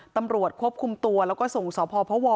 ตำรวจควบคุมตัวแล้วก็ส่งสพพว